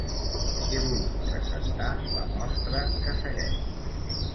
He volgut presentar la mostra que segueix.